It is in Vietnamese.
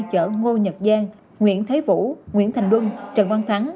chở ngô nhật giang nguyễn thấy vũ nguyễn thành luân trần văn thắng